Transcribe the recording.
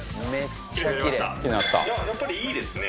やっぱりいいですね。